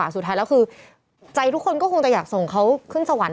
สุดท้ายแล้วคือใจทุกคนก็คงจะอยากส่งเขาขึ้นสวรรค์